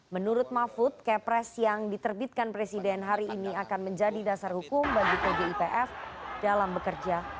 menurut mahfud kepres yang diterbitkan presiden hari ini akan menjadi dasar hukum bagi tgipf dalam bekerja